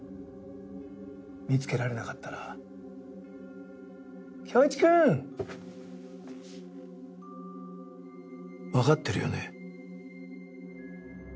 見つけられなかったら恭一くん。分かってるよね？